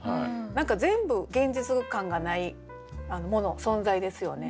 何か全部現実感がないもの存在ですよね。